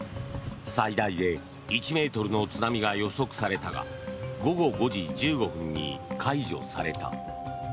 最大で１ｍの津波が予測されたが午後５時１５分に解除された。